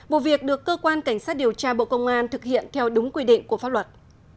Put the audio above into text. vụ việc được cơ quan cảnh sát điều tra bộ công an thực hiện theo đúng quy định của pháp luật